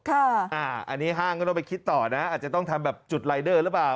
อันนี้ห้างก็ต้องไปคิดต่อนะอาจจะต้องทำแบบจุดรายเดอร์หรือเปล่า